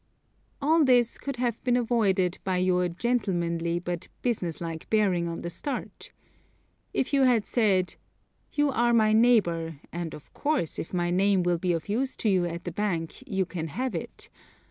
All this could have been avoided by your GENTLEMANLY but BUSINESS LIKE BEARING on the start. If you had said: "You are my neighbor, and of course, if my name will be of use to you at the bank, you can have it.